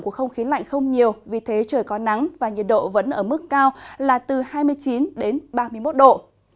của không khí lạnh không nhiều vì thế trời có nắng và nhiệt độ vẫn ở mức cao là từ hai mươi chín đến ba mươi một độ